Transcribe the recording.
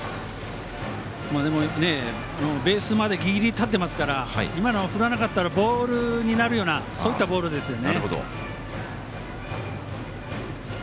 でも、ベースまでギリギリに立っていますから今のを振らなかったらボールになるようなボールですよね。